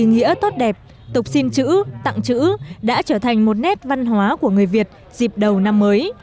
ý nghĩa tốt đẹp tục xin chữ tặng chữ đã trở thành một nét văn hóa của người việt dịp đầu năm mới